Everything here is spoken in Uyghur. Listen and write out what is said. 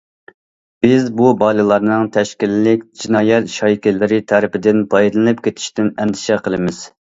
بىز بۇ بالىلارنىڭ تەشكىللىك جىنايەت شايكىلىرى تەرىپىدىن پايدىلىنىپ كېتىشىدىن ئەندىشە قىلىمىز.